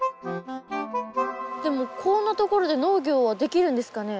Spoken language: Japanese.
でもこんなところで農業ができるんですかね。